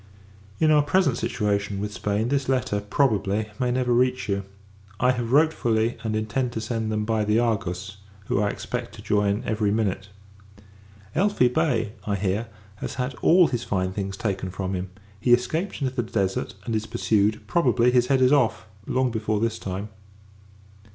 In our present situation with Spain, this letter, probably, may never reach you. I have wrote fully; and intend to send them by the Argus, who I expect to join every minute. Elphi Bey, I hear, has had all his fine things taken from him. He escaped into the Desert, and is pursued; probably, his head is off, long before this time.